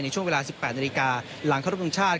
ในช่วงเวลา๑๘นาฬิกาหลังเข้ารุ่งตรงชาติ